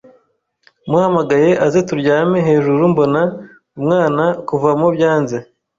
muhamagaye aze turyame hejuru mbona umwana kuvamo byanzee